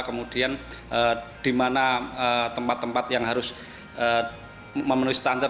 kemudian di mana tempat tempat yang harus memenuhi standar